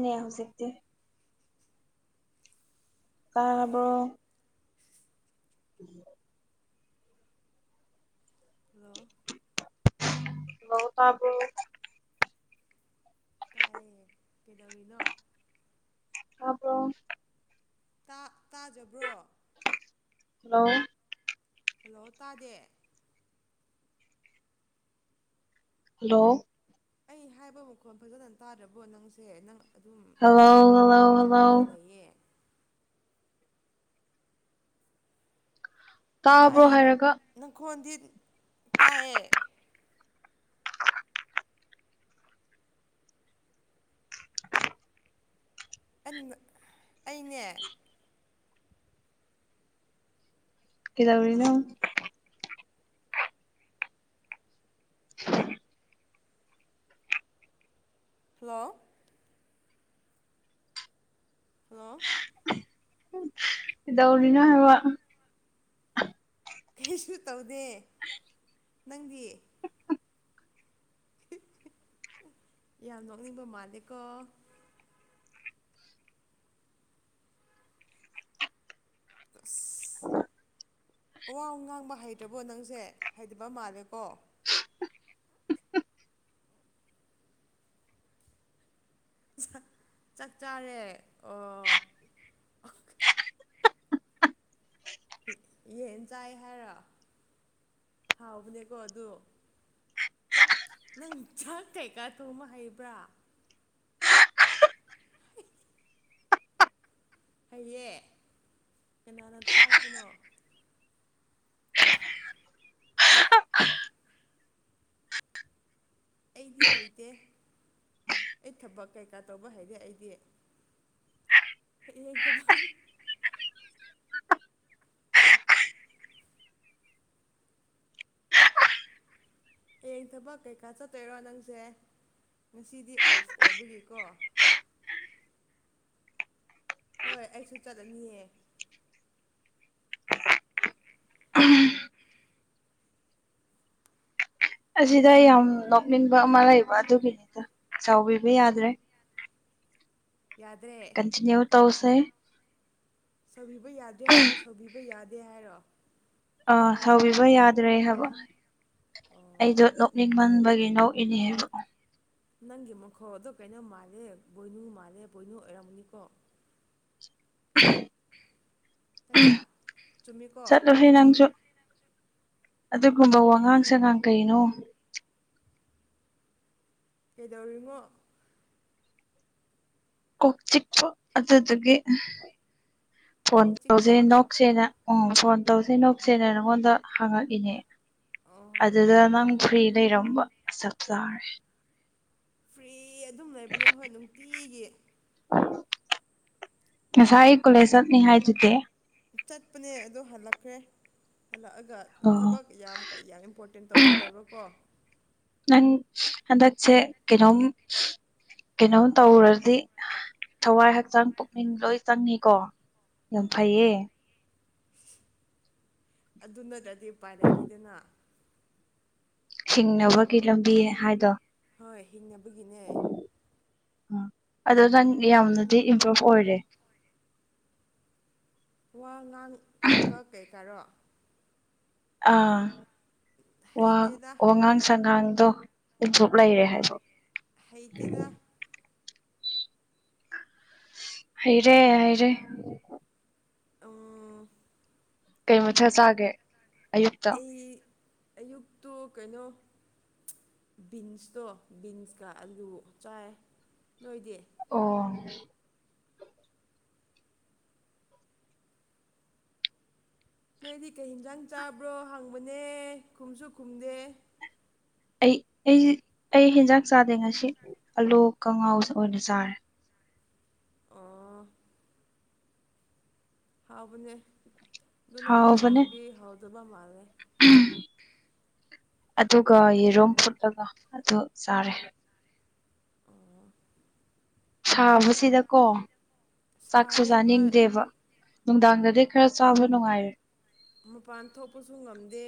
ꯅꯤ ꯍꯧꯁꯛ ꯀꯥꯔꯕ꯭ꯔꯣ ꯎꯝ ꯍꯂꯣ ꯂ ꯇꯕꯨ ꯇꯥꯏꯌꯦ ꯀꯩꯗꯧꯔꯤꯅꯣ ꯑꯕ꯭ꯔꯣ ꯇꯥꯖꯕ꯭ꯔꯣ ꯍꯜꯂꯣ ꯍꯜꯂꯣ ꯇꯥꯗꯦ ꯍꯜꯂꯣ ꯑꯩ ꯍꯥꯏꯕ ꯃꯈꯣꯟ ꯐꯖꯅ ꯇꯥꯗ꯭ꯔꯕꯣ ꯅꯪꯁꯦ ꯅꯪ ꯑꯗꯨꯝ ꯍꯜꯂꯣ ꯀꯩꯅꯣ ꯍꯜꯂꯣ ꯍꯜꯂꯣ ꯇꯧꯔꯒ ꯂꯩꯌꯦ ꯇꯥꯕ꯭ꯔꯣ ꯇꯥꯏꯑꯦ ꯍꯥꯏꯔꯒ ꯅꯪꯈꯣꯟꯗꯤ ꯇꯥꯏꯌꯦ [inaudible] ꯑꯩꯅꯦ ꯀꯗꯧꯔꯤꯅꯣ [unintelligible] ꯍꯜꯂꯣ ꯍꯜꯂꯣ ꯗꯧꯅꯤꯅꯣ ꯍꯥꯏꯕ ꯀꯩꯁꯨ ꯇꯧꯗꯦ ꯅꯪꯗꯤ ꯌꯥꯝ ꯅꯣꯛꯅꯤꯡꯕ ꯃꯥꯜꯂꯤꯀꯣ ꯑꯁ ꯑꯋꯥ ꯉꯥꯡꯕ ꯍꯩꯇ꯭ꯔꯕꯣ ꯅꯪꯁꯦ ꯍꯩꯇꯕ ꯃꯥꯜꯂꯦꯀꯣ [inaudible] ꯆꯠ ꯆꯥꯔꯦ ꯑꯣ ꯌꯦꯟ ꯆꯥꯏ ꯍꯥꯏꯔꯣ ꯍꯥꯎꯕꯅꯦꯀꯣ ꯑꯗꯨ ꯅꯪ ꯆꯥꯛ ꯀꯩꯀꯥ ꯊꯣꯡꯃ ꯍꯩꯕ꯭ꯔꯥ ꯐꯩꯌꯦ ꯀꯅꯥꯅ ꯇꯥꯛꯄꯅꯣ ꯑꯩꯗꯤ ꯍꯩꯇꯦ ꯑꯩ ꯊꯕꯛ ꯀꯩꯀꯥ ꯇꯧꯕ ꯍꯩꯇꯦ ꯑꯩꯗꯤ ꯑꯦ ꯑꯗꯨꯃꯝ ꯍꯌꯦꯡ ꯊꯕꯛ ꯀꯩꯀꯥ ꯆꯠꯇꯣꯏꯔꯣ ꯅꯪꯁꯦ ꯉꯁꯤꯗꯤ ꯑꯣꯐ ꯑꯣꯏꯕꯒꯤꯀꯣ ꯍꯣꯏ ꯑꯩꯁꯨ ꯆꯠꯂꯅꯤꯑ ꯎꯝ ꯑꯁꯤꯗ ꯑꯩ ꯌꯥꯝ ꯅꯣꯛꯅꯤꯡꯟꯕ ꯑꯃ ꯂꯩꯕ ꯑꯗꯨꯒꯤꯅꯤꯗ ꯆꯥꯎꯕꯤꯕ ꯌꯥꯗ꯭ꯔꯦ ꯌꯥꯗ꯭ꯔꯦ ꯏꯅꯦ ꯇꯧꯁꯦ ꯁꯧꯕꯤꯕ ꯌꯥꯗꯦ ꯍꯥꯏꯔꯣ ꯁꯧꯕꯤꯕ ꯌꯥꯗꯦ ꯍꯥꯏꯔꯣ ꯑꯥ ꯇꯧꯕꯤꯕ ꯌꯥꯗ꯭ꯔꯦ ꯍꯥꯏꯕ ꯑꯣ ꯑꯩꯗꯣ ꯅꯣꯛꯅꯤꯡ ꯃꯟꯕꯒꯤꯅꯣꯛ ꯏꯅꯦ ꯍꯥꯏꯕ ꯅꯪꯒꯤ ꯃꯈꯣꯗꯣ ꯀꯩꯅꯣ ꯃꯥꯜꯂꯦ ꯄꫭꯏꯅꯨ ꯃꯥꯜꯂꯦ ꯄꫭꯏꯅꯨ ꯑꯣꯏꯔꯝꯒꯅꯤꯀꯣ ꯎꯝ ꯎꯝ ꯅꯠꯇ꯭ꯔꯥ ꯆꯨꯝꯃꯤꯀꯣ ꯆꯠꯂꯨꯍꯦ ꯅꯪꯖꯨ ꯑꯗꯨꯒꯨꯝꯕ ꯋꯥꯉꯥꯡ ꯁꯉꯥꯡ ꯀꯩꯅꯣ ꯀꯩꯗꯧꯔꯤꯅꯣ ꯀꯣꯛ ꯆꯤꯛꯄ ꯑꯗꯨꯗꯨꯒꯤ ꯐꯣꯟ ꯀꯣꯛ ꯆꯤꯛꯄ ꯇꯧꯖꯩ ꯅꫭ ꯅꫭꯛꯁꯦꯅ ꯎꯝ ꯐꯣꯟ ꯇꯧꯁꯤ ꯅꫭꯛꯁꯦꯅ ꯅꯉꯣꯟꯗ ꯍꯪꯉꯛꯏꯅꯦ ꯑꯣ ꯑꯗꯨꯗ ꯅꯪ ꯐ꯭ꯔꯤ ꯂꯩꯔꯝꯕ ꯆꯞ ꯆꯥꯔꯦ ꯐ꯭ꯔꯤ ꯑꯗꯨꯝ ꯂꯩꯕꯅꯦ ꯍꯣꯏ ꯅꯨꯡꯇꯤꯒꯤ ꯉꯁꯥꯏ ꯀꯣꯂꯦꯁ ꯆꯠꯅꯤ ꯍꯥꯏꯗꯨꯗꯤ ꯆꯠꯄꯅꯦ ꯑꯗꯣ ꯍꯜꯂꯛꯈ꯭ꯔꯦ ꯍꯜꯂꯛꯑꯒ ꯑꯣ ꯊꯕꯛ ꯌꯥꯝ ꯀꯩ ꯌꯥꯝ ꯏꯝꯄꯣꯔꯇꯦꯟ ꯇꯧꯕ ꯂꯩꯕꯀꯣ ꯅꯪ ꯍꯟꯗꯛꯁꯦ ꯀꯩꯅꯣꯝ ꯀꯩꯅꯣꯝ ꯇꯧꯔꯗꯤ ꯊꯋꯥꯏ ꯍꯛꯆꯥꯡ ꯄꯨꯛꯅꯤꯡ ꯂꯣꯏ ꯆꯪꯉꯤꯀꯣ ꯌꯥꯝ ꯐꯩꯌꯦ ꯑꯗꯨ ꯅꯠꯇꯔꯗꯤ ꯎꯄꯥꯏ ꯂꯩꯇꯦꯗꯅ ꯍꯤꯡꯅꯕꯒꯤ ꯂꯝꯕꯤ ꯍꯥꯏꯗꯣ ꯍꯣꯏ ꯍꯤꯡꯅꯕꯒꯤꯅꯦ ꯎꯝ ꯑꯗꯨ ꯅꯪ ꯌꯥꯝꯅꯗꯤ ꯏꯝꯄ꯭ꯔꯨꯞ ꯑꯣꯏꯔꯦ ꯋꯥ ꯉꯥꯡ ꯋꯥꯕ ꯀꯩꯀꯥꯔꯣ ꯑꯥ ꯋꯥ ꯍꯩꯇꯦꯗ ꯋꯥꯉꯥꯡ ꯁꯉꯥꯡꯗꯣ ꯏꯝꯄꯔꯨꯞ ꯂꯩꯔꯦ ꯍꯥꯏꯕ ꯍꯩꯇꯦꯗ ꯍꯩꯔꯦ ꯍꯩꯔꯦ ꯑꫭ ꯀꯩ ꯃꯊꯦꯜ ꯆꯥꯒꯦ ꯑꯌꯨꯛꯇ ꯑꯩ ꯑꯌꯨꯛꯇꯨ ꯀꯩꯅꯣ ꯕꯤꯟꯁꯇꯣ ꯕꯤꯟꯁꯀ ꯑꯂꯨ ꯆꯥꯏ ꯅꯣꯏꯗꯤ ꯑꯣ ꯅꯣꯏꯗꯤ ꯀꯩ ꯍꯤꯟꯖꯥꯡ ꯆꯥꯕ꯭ꯔꯣ ꯍꯪꯕꯅꯦ ꯈꯨꯝꯁꯨ ꯈꯨꯝꯗꯦ ꯑꯩ ꯑꯩꯁꯤ ꯑꯩ ꯍꯦꯟꯖꯥꯡ ꯆꯥꯗꯦ ꯉꯁꯤ ꯑꯥꯂꯨ ꯀꯥꯡꯉꯧ ꯑꯣꯏꯅ ꯆꯥꯔꯦ ꯑꫭ ꯍꯥꯎꯕꯅꯦ ꯑꯗꯨ ꯅꯪꯅ ꯍꯥꯎꯕꯅꯦ ꯊꯣꯡꯉꯗꯤ ꯍꯥꯎꯇꯕ ꯃꯥꯜꯂꯦ ꯑꯗꯨꯒ ꯌꯦꯔꯨꯝ ꯐꯨꯠꯂꯒ ꯑꯗꯨ ꯆꯥꯔꯦ ꯑꯣ ꯁꯥꯕꯁꯤꯗꯀꯣ ꯆꯥꯛꯁꯨ ꯁꯥꯔꯦ ꯍꯣꯏ ꯆꯥꯅꯤꯡꯗꯦꯕ ꯅꯨꯡꯗꯥꯡꯗꯗꯤ ꯈꯔ ꯆꯥꯕ ꯅꯨꯡꯉꯥꯏꯔꯦ ꯃꯄꯥꯟ ꯊꯣꯛꯄꯁꯨ ꯉꯝꯗꯦ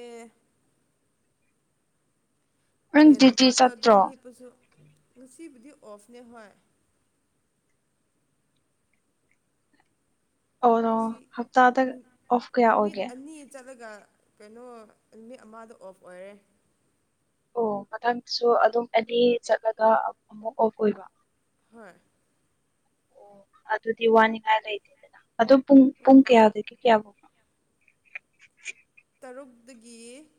ꯅꯪ ꯐꯦꯟ ꯗ꯭ꯌꯨꯇꯤ ꯃꯊꯛꯇ ꯑꯗꯨꯝ ꯆꯠꯇ꯭ꯔꯣ ꯍꯤꯞꯄꯁꯨ ꯉꯁꯤꯕꯨꯗꯤ ꯑꯣꯐꯅꯦ ꯍꯣꯏ ꯑꯣꯔꯣ ꯉꯁꯤ ꯍꯞꯇꯥꯗ ꯑꯣꯐ ꯀꯌꯥ ꯅꯨꯃꯤꯠ ꯑꯣꯏꯒꯦ ꯑꯅꯤ ꯆꯠꯂꯒ ꯀꯩꯅꯣ ꯅꯨꯃꯤꯠ ꯑꯃꯗꯣ ꯑꯣꯐ ꯑꯣꯏꯔꯦ ꯑꯣ ꯃꯊꯪꯁꯨ ꯑꯗꯨꯝ ꯑꯅꯤ ꯆꯠꯂꯒ ꯑꯃꯨꯛ ꯑꯣꯐ ꯑꯣꯏꯕ ꯍꯣꯏ ꯑꯣ ꯑꯗꯨꯗꯤ ꯋꯥꯅꯤꯡꯉꯥꯏ ꯂꯩꯇꯦꯗꯅ ꯑꯗꯨ ꯄꯨꯡ ꯄꯨꯡ ꯀꯌꯥꯗꯒꯤ ꯀꯌꯥ ꯐꯧ ꯇꯔꯨꯛꯇꯒꯤ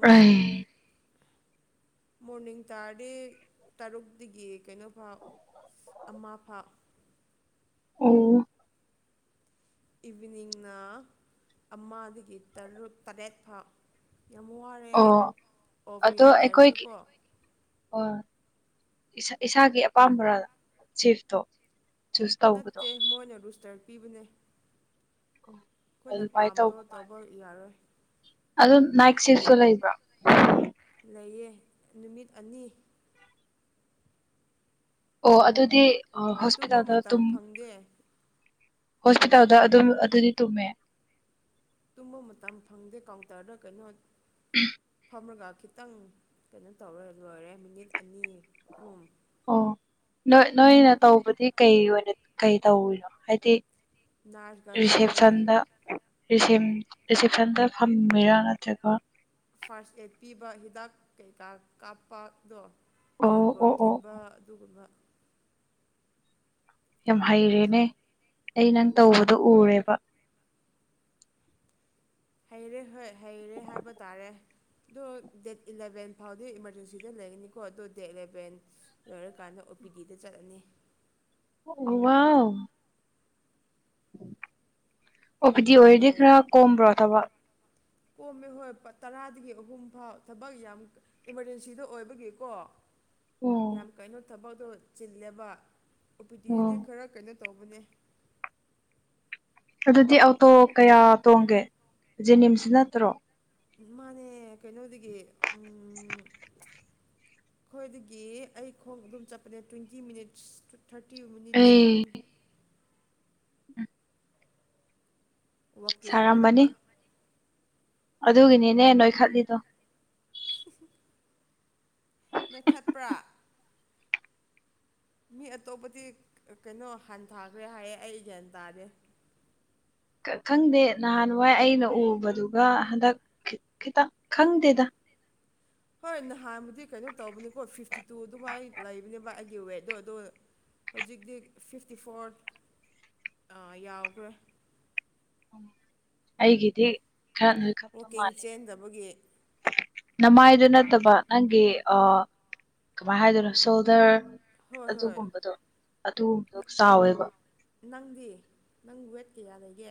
ꯑꯩ ꯃꯣꯔꯅꯤꯡ ꯇꯥꯔꯗꯤ ꯇꯔꯨꯛꯇꯒꯤ ꯀꯩꯅꯣꯐꯥꯎ ꯑꯃ ꯐꯥꯎ ꯑꫭ ꯏꯚꯤꯅꯤꯡꯅ ꯑꯃꯗꯒꯤ ꯇꯔꯨꯛ ꯇꯔꯦꯠ ꯐꯥꯎ ꯌꯥꯝ ꯋꯥꯔꯦ ꯑꯣ ꯑꯣꯐ ꯌꯥꯝ ꯂꯩꯔꯁꯨꯀꯣ ꯑꯣ ꯏꯁꯥꯒꯤ ꯑꯄꯥꯝꯕꯔꯥ ꯁꯤꯐꯇꯣ ꯆꯨꯁ ꯇꯧꯕꯗꯣ ꯅꯠꯇꯦ ꯃꯣꯏꯅ ꯔꯨꯁꯇꯔ ꯄꯤꯕꯅꯦ ꯑꯩꯈꯣꯏꯅ ꯑꯗꯨꯃꯥꯏꯅ ꯄꯥꯝꯕꯗꯣ ꯇꯧꯕ ꯌꯥꯔꯣꯏ ꯑꯗꯨ ꯅꯥꯏꯛ ꯁꯤꯞꯁꯨ ꯂꯩꯕ꯭ꯔꯣ ꯂꯩꯌꯦ ꯅꯨꯃꯤꯠ ꯑꯅꯤ ꯑꯣ ꯑꯗꯨꯗꯤ ꯍꯣꯁꯄꯤꯇꯥꯜꯗ ꯑꯗꯨꯝ ꯗꯦ ꯍꯣꯁꯄꯤꯇꯥꯜꯗ ꯑꯗꯨꯝ ꯑꯗꯨꯗꯤ ꯇꯨꯝꯃꯦ ꯇꯨꯝꯕ ꯃꯇꯝ ꯐꯪꯗꯦ ꯀꯥꯎꯟꯇꯔꯗ ꯀꯩꯅꯣ [unintelligible] ꯑꯃꯔꯒ ꯈꯤꯇꯪ ꯀꯩꯅꯣ ꯇꯧꯔ ꯂꯣꯏꯔꯦ ꯃꯤꯅꯤꯠ ꯑꯅꯤ ꯑꯍꯨꯝ ꯑꯣ ꯅꯣꯏ ꯅꯣꯏꯅ ꯇꯧꯕꯗꯤ ꯀꯩ ꯑꯣꯏꯅ ꯀꯩ ꯇꯧꯔꯤꯅꯣ ꯍꯥꯏꯗꯤ ꯅꯔꯁꯀ ꯆꯞ ꯔꯤꯁꯦꯞ ꯃꯥꯟꯅꯩ ꯁꯥꯟꯗ ꯔꯤꯁꯦꯝ ꯔꯤꯁꯦꯞꯁꯥꯟꯗ ꯐꯝꯃꯤꯔꯥ ꯅꯠꯇ꯭ꯔꯒ ꯐꯥꯔꯁ ꯑꯦꯠ ꯄꯤꯕ ꯍꯤꯗꯥꯛ ꯀꯩꯀꯥ ꯀꯥꯞꯄꯗꯣ ꯑꯣ ꯖꯦꯜꯒꯣꯠ ꯑꯣ ꯑꯣ ꯊꯤꯟꯕ ꯑꯗꯨꯒꯨꯝꯕ ꯌꯥꯝ ꯍꯩꯔꯦꯅꯦ ꯑꯩ ꯅꯪ ꯇꯧꯕꯗꯣ ꯎꯔꯦꯕ ꯍꯩꯔꯦ ꯍꯣꯏ ꯍꯩꯔꯦ ꯍꯥꯏꯕ ꯇꯥꯔꯦ ꯑꯗꯣ ꯗꯦꯠ ꯏꯂꯚꯦꯟ ꯐꯥꯎꯗꯤ ꯏꯃꯥꯔꯖꯦꯟꯁꯤꯗ ꯂꯩꯒꯅꯤꯀꯣ ꯑꯗꯣ ꯗꯦꯠ ꯏꯂꯕꯦꯟ ꯂꯣꯏꯔꯀꯥꯟꯗ ꯑꯣ ꯄꯤ ꯗꯤꯗ ꯆꯠꯂꯅꯤ ꯑꯣ ꯋꯥꯎ ꯑꯣ ꯄꯤ ꯗꯤ ꯑꯗꯨꯅ ꯑꯣꯏꯔꯗꯤ ꯈꯔ ꯂꯣꯏꯔꯦ ꯀꯣꯝꯕ꯭ꯔꯣ ꯊꯕꯛ ꯀꯣꯝꯃꯦ ꯍꯣꯏ ꯇꯔꯥꯗꯒꯤ ꯑꯍꯨꯝ ꯐꯥꯎ ꯊꯕꯛ ꯌꯥꯝ ꯏꯃꯥꯔꯖꯦꯟꯁꯤꯗꫭ ꯑꯣꯏꯕꯒꯤꯀꯣ ꯑꯣ ꯌꯥꯝ ꯀꯩꯅꯣ ꯊꯕꯛꯇꯣ ꯆꯤꯜꯂꯦꯕ ꯑꯣ ꯄꯤ ꯇꯤ ꯗꯗꯤ ꯈꯔ ꯀꯩꯅꯣ ꯇꯧꯕꯅꯦ ꯑꯗꯨꯗꯤ ꯑꯣꯇꯣ ꯀꯌꯥ ꯇꯣꯡꯒꯦ ꯖꯦꯅꯤꯝꯁ ꯅꯠꯇ꯭ꯔꯣ ꯃꯥꯅꯦ ꯀꯩꯅꯣꯗꯒꯤ ꯎꯝ ꯑꯩꯈꯣꯏꯗꯒꯤ ꯑꯩ ꯈꯣꯡ ꯑꯗꯨꯝ ꯆꯠꯄꯅꯦ ꯇ꯭ꯋꯦꯟꯇꯤ ꯃꯤꯅꯤꯠꯁ ꯊꯥꯔꯇꯤ ꯃꯤꯅꯤꯠꯁ ꯑꯗꯨꯝ ꯎꯝ ꯋꯥꯛꯀꯤꯡ ꯑꯣꯏꯅꯕ ꯁꯥꯔꯝꯃꯅꯤ ꯑꯗꯨꯒꯤꯅꯤꯅꯦ ꯅꯣꯏꯈꯠꯂꯤꯗꯣ ꯅꫭꯏꯈꯠꯄ꯭ꯔꯥ ꯃꯤ ꯑꯇꯣꯞꯄꯗꯤ ꯀꯩꯅꯣ ꯍꯟꯊꯥꯈ꯭ꯔꯦ ꯍꯥꯏꯌꯦ ꯑꯩ ꯒꯤꯌꯥꯟ ꯇꯥꯗꯦ ꯈꯪꯗꯦ ꯅꯍꯥꯟꯋꯥꯏ ꯑꯩꯅ ꯎꯕꯗꯨꯒ ꯍꯟꯗꯛ ꯈꯤꯇꯪ ꯈꯪꯗꯦꯗ ꯍꯣꯏ ꯅꯍꯥꯟꯕꯨꯗꯤ ꯀꯩꯅꯣ ꯇꯧꯕꯅꯤꯀꯣ ꯐꯤꯐꯇꯤ ꯇꯨ ꯑꯗꯨꯃꯥꯏꯅ ꯂꯩꯕꯅꯦꯕ ꯑꯩꯒꯤ ꯋꯦꯠꯇꯣ ꯑꯗꯣ ꯍꯧꯖꯤꯛꯇꯤ ꯐꯤꯐꯇꯤ ꯐꯣꯔ ꯌꯥꯎꯈ꯭ꯔꯦ ꯎꯝ ꯑꯩꯒꯤꯗꯤ ꯈꯔ ꯅꯣꯏꯈꯠꯄ ꯋꯥꯛꯀꯤꯡ ꯃꯥꯜꯂꯦꯕ ꯆꯦꯟꯗꯕꯒꯤ ꯅꯃꯥꯏꯗꯨ ꯅꯠꯇꯕ ꯅꯪꯒꯤ ꯑꯥ ꯀꯃꯥꯏꯅ ꯍꯥꯏꯗꯣꯏꯅꯣ ꯁꯣꯜꯗ꯭ꯔ ꯍꯣꯏ ꯍꯣꯏ ꯑꯗꯨꯒꯨꯝꯕꯗꯣ ꯑꯗꯨꯒꯨꯝꯕꯗꯣ ꯆꯥꯎꯋꯦꯕ ꯅꯪꯗꯤ ꯅꯪ ꯋꯦꯠ ꯀꯌꯥ ꯂꯩꯒꯦ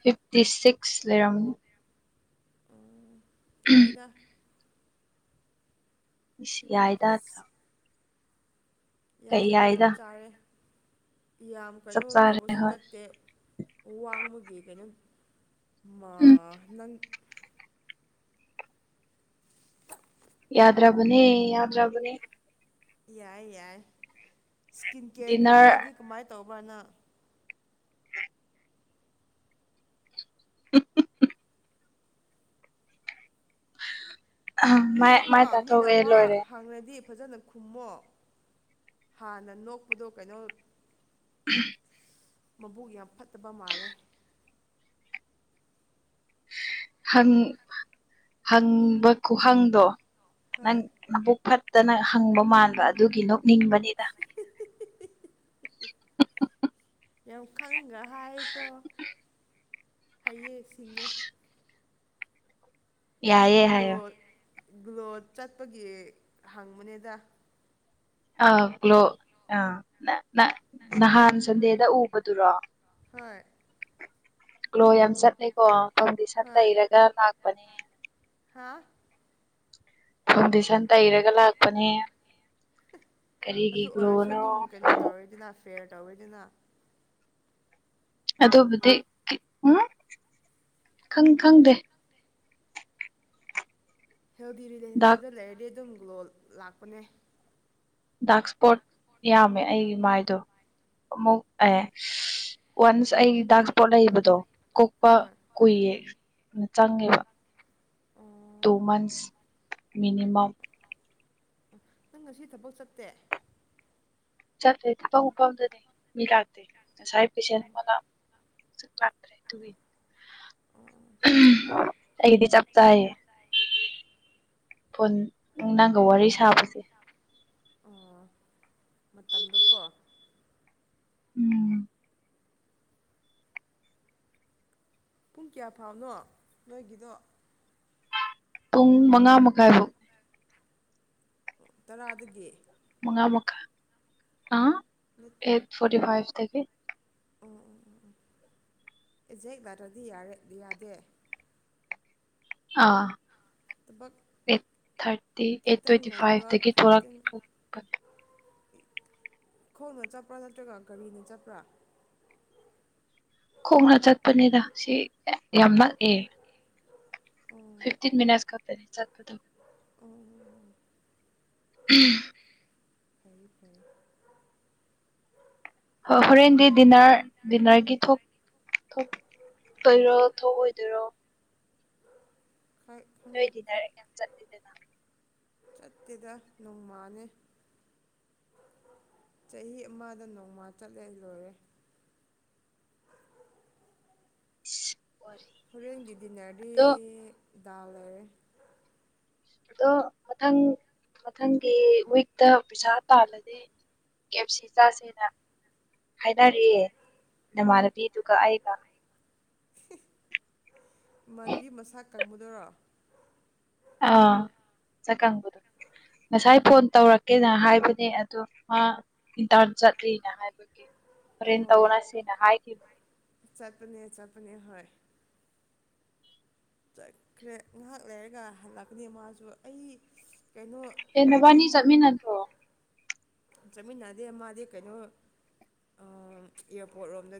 ꯐꯤꯐꯇꯤ ꯁꯤꯛꯁ ꯂꯩꯔꯝꯅꯤ ꯑꫭ ꯌꯥꯏꯗ ꯏꯁ ꯐꯤꯐꯇꯤ ꯌꯥꯏꯗ [unintelligible] ꯀꯩ ꯌꯥꯏ ꯆꯞ ꯌꯥꯏꯗ ꯆꯥꯔꯦ ꯌꯥꯝ ꯆꯞ ꯀꯩꯅꯣ ꯆꯥꯔꯦ ꯇꯧꯕꯁꯨ ꯍꯣꯏ ꯅꯠꯇꯦ ꯋꯥꯡꯃꯒꯤ ꯀꯩꯅꯣ ꯃꯥ ꯎꯝ ꯅꯪ ꯌꯥꯗ꯭ꯔꯥꯕꯅꯦ ꯌꯥꯗ꯭ꯔꯥꯕꯅꯦ ꯌꯥꯏ ꯌꯥꯏ ꯏꯁꯀꯤꯟ ꯀꯦꯌꯔ ꯗꯤꯅꯔ ꯀꯩꯀꯥꯗꯤ ꯀꯃꯥꯏ ꯇꯧꯕ ꯅꯪ [unintelligible] ꯃꯥꯏ ꯃꯤꯅꯀꯣ ꯃꯥꯏ ꯃꯤꯅ ꯇꯥꯊꯣꯛꯑꯦ ꯋꯥ ꯂꯣꯏꯔꯦ ꯍꯥꯡꯉꯗꯤ ꯐꯖꯅ ꯈꯨꯝꯃꯣ ꯍꯥꯟꯅ ꯅꯣꯛꯄꯗꯣ ꯀꯩꯅꯣ ꯎ ꯃꯕꯨꯣꯛ ꯌꯥꯝ ꯐꯠꯇꯕ ꯃꯥꯜꯔꯦ ꯍꯪ ꯍꯪꯕ ꯈꯨꯍꯪꯗꯣ ꯅꯪ ꯍꯣꯏ ꯅꯕꯨꯛ ꯐꯠꯇꯅ ꯍꯪꯕ ꯃꯥꯟꯕ ꯑꯗꯨꯒꯤ ꯅꯣꯛ ꯅꯤꯡꯕꯅꯤꯅ ꯌꯥꯝ ꯈꯪꯒ꯭ꯔ ꯍꯥꯏꯀꯣ ꯍꯌꯦ ꯁꯤꯡꯉꯦ ꯌꯥꯏꯌꯦ ꯒ꯭ꯂꯣ ꯍꯥꯏꯌꯣ ꯒ꯭ꯂꯣꯠ ꯆꯠꯄꯒꯤ ꯍꯪꯕꯅꯦꯗ ꯑ ꯀ꯭ꯂꯣ ꯑꯥ ꯅꯍꯥꯟ ꯁꯟꯗꯦꯗ ꯎꯕꯗꯨꯔꯣ ꯍꯣꯏ ꯭ꯂꯣ ꯌꯥꯝ ꯆꯠꯅꯩꯀꯣ ꯐꯪꯗꯤꯁꯟ ꯍꯣꯏ ꯇꯩꯔꯒ ꯂꯥꯛꯄꯅꯦ ꯍꯥ ꯑꯁ ꯏꯊꯟ ꯇꯩꯔꯒ ꯂꯥꯛꯄꯅꯦ ꯀꯔꯤꯒꯤ ꯒ꯭ꯂꯣꯅꯣ ꯅ ꯐꯦꯔ ꯇꯧ ꯑꯣꯏꯗꯅ ꯑꯗꯨꯕꯨꯗꯤ ꯎꯝꯪ ꯈꯪꯗꯦ ꯍꯦꯜꯗꯤ ꯗꯥꯛ ꯔꯤꯂꯦꯁꯟꯁꯤꯞꯇ ꯂꯩꯔꯗꯤ ꯑꯗꯨꯝ ꯒ꯭ꯂꯣ ꯂꯥꯛꯄꯅꯦ ꯗꯥꯛ ꯏꯁꯄꯣꯠ ꯌꯥꯝꯃꯦ ꯑꯩꯒꯤ ꯃꯥꯏꯗꯣ ꯑꯃꯨꯛ ꯑꯦ ꯋꯥꯟꯁ ꯑꯩ ꯗꯥꯛ ꯏꯁꯄꯣꯠ ꯂꯩꯕꯗꯣ ꯀꯣꯛꯄ ꯍꯣꯏ ꯀꯨꯏꯌꯦꯅ ꯆꯪꯉꯦꯕ ꯇꯨ ꯑꯣ ꯃꯟꯁ ꯃꯤꯅꯤꯃꯝ ꯅꯪ ꯉꯁꯤ ꯊꯕꯛ ꯆꯠꯇꯦ ꯆꯠꯇꯂꯦꯗꯤ ꯄ ꯎꯐꯝꯥꯎꯗꯗꯤ ꯃꯤ ꯂꯥꯛꯇꯦ ꯉꯁꯥꯏ ꯑꯣ ꯄꯩꯁꯦꯟ ꯂ ꯆꯥꯛ꯭ꯔꯦ ꯇꯨꯒꯤ ꯑꯩꯒꯤꯗꯤ ꯆꯞ ꯆꯥꯥꯏꯌꯦ ꯐꯣꯟ ꯅꯪꯒ ꯋꯥꯔꯤ ꯁꯥꯕꯁꯦ ꯃꯇꯝꯗꯨ ꯀꯣ ꯎꯝ ꯄꯨꯡ ꯀꯌꯥ ꯐꯥꯎꯅꯣ ꯅꯣꯏꯒꯤꯗꯣ ꯄꯨꯡ ꯃꯉꯥ ꯃꯈꯥꯏꯔꯣꯛ ꯇꯔꯥꯗꯒꯤ ꯃꯉ ꯃꯨꯀꯥ ꯑ ꯃꯤꯠ ꯑꯩꯠ ꯐꯣꯔꯤ ꯐꯥꯏꯚ ꯊ ꯑꯣ ꯑꯣ ꯑꯣ ꯑꯣ ꯑꯦꯖꯦꯛ ꯇꯗꯤ ꯌꯥꯔꯦ ꯌꯥꯗꯦ ꯑꯥ ꯊꯕꯛ ꯑꯩꯠ ꯊꯥꯔꯇꯤ ꯑꯩꯠ ꯈꯤꯇꯪ ꯇ꯭ꯋꯦꯟꯇꯤ ꯉꯟꯕ ꯐꯥꯏꯚꯇꯒꯤ ꯈꯤꯇꯪ ꯊꯣꯛꯂꯛꯄ ꯈꯣꯡꯅ ꯆꯠꯄ꯭ꯔꯥ ꯅꯠꯇ꯭ꯔꯒ ꯀꯒꯥꯔꯤꯅ ꯆꯠꯄ꯭ꯔꯥ ꯈꯣꯡꯅ ꯆꯠꯄꯅꯤꯗ ꯁꯤ ꯌꯥꯝ ꯅꯛꯑꯦ ꯑꯣ ꯐꯤꯐꯇꯤꯟ ꯃꯤ ꯈꯅꯦ ꯆꯠꯄꯗ ꯑꯣ ꯎ ꯐ ꯐ ꯍ ꯍꯣꯔꯦꯟꯗꯤ ꯗꯤꯟꯅꯔ ꯗꯤꯟꯅꯔꯒꯤ ꯊꯣꯛ ꯊꯣꯛ ꯑꯣꯏꯔꯣ ꯊꯣꯛꯑꯣꯏꯗꯣꯏꯔꯣ ꯐꯩ ꯗꯔꯦ ꯀ ꯆꯗ ꯆꯠꯇꯦꯗ ꯅꯣꯡꯃꯅꯤ ꯆꯍꯤ ꯑꯃꯗ ꯅꯣꯡꯃꯥ ꯆꯠꯂꯦ ꯂꯣꯏꯔꯦ ꯏꯁ ꯋꯥꯔꯤ ꯍꯣꯔꯦꯟꯒꯤ ꯗꯤꯟꯅꯔꯗꯤ ꯑꯗꯣ ꯗꯥꯜ ꯂꯩꯔꯦ ꯑꯗꯣ ꯃꯊꯪ ꯃꯊꯪꯒꯤ ꯋꯤꯛꯇ ꯄꯩꯁꯥ ꯇꯥꯜꯂꯗꯤ ꯀꯞꯁꯤ ꯆꯥꯁꯦꯅ ꯍꯥꯏꯅꯔꯤꯌꯦꯦ ꯅꯃꯥꯟꯅꯕꯤꯗꯨꯒ ꯑꯩꯒ ꯃꯟꯗꯤ ꯃꯁꯥ ꯀꯪꯉꯨꯗꯔꯣ ꯑ ꯆꯀꯗ ꯉꯁꯥꯏ ꯐꯣꯟ ꯇꯧꯔꯛꯀꯦꯅ ꯍꯥꯏꯕꯅꯦ ꯑꯗꯣ ꯃꯥ ꯏꯟꯊ ꯆꯠꯂꯤꯅ ꯍꯥꯏꯕꯒꯤ ꯍꯣꯔꯦꯟ ꯍꯣꯏ ꯇꯧꯅꯁꯦꯅ ꯍꯥꯏꯈꯤꯕ ꯆꯠꯄꯅꯦ ꯆꯠꯄꯅꯦ ꯍꯣꯏ ꯆꯠꯈ꯭ꯔꯦ ꯉꯥꯏꯍꯥꯛ ꯂꯩꯔꯒ ꯍꯜꯂꯛꯀꯅꯤ ꯃꯥꯁꯨ ꯑꯩ ꯀꯩꯅꯣ ꯊꯨꯝ ꯑꯦꯟꯅꯕꯅꯤ ꯆꯠꯃꯤ ꯅ꯭ꯔꯣ ꯆꯠꯃꯤꯟꯅꯗꯦ ꯃꯥꯗꯤ ꯀꯩꯅꯣ ꯑꯦꯌꯥꯔꯄꯣꯔꯠꯔꯣꯝꯗ